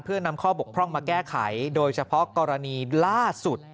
เพื่อนำข้อบกพร่องมาแก้ไขโดยเฉพาะกรณีล่าสุด